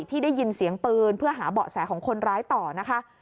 ที่ได้ยินเสียงปืนเพื่อหาเบาะแสของคนร้ายต่อนะคะ